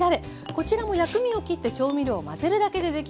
こちらも薬味を切って調味料を混ぜるだけでできます。